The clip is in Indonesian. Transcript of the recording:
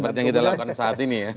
seperti yang kita lakukan saat ini ya